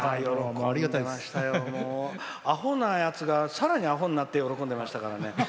アホなやつがさらにアホになって喜んでましたからね。